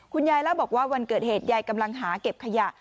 ยายเล่าบอกว่าวันเกิดเหตุยายกำลังหาเก็บขยะ